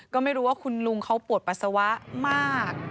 ก็ไม่รู้ว่าคุณลุงเขาปวดปัสสาวะมาก